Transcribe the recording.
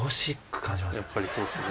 やっぱりそうですよね。